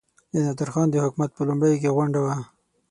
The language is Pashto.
د نادرخان د حکومت په لومړیو کې غونډه وه.